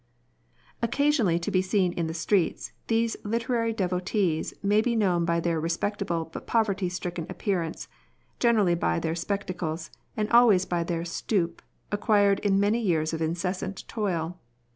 Occasionally to be seen in the streets, these literary devotees may be known by their respect able but poverty stricken appearance, generally by their spectacles, and always by their stoop, acquired in many years of incessant toil.